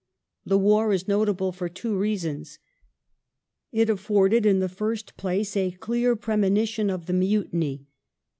The war is notable for two reasons. It afforded, in the first ^^ place, a clear premonition of the Mutiny.